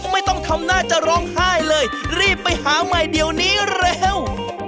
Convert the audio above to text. ไม่ต้องทำหน้าจะร้องไห้เลยรีบไปหาใหม่เดี๋ยวนี้เร็ว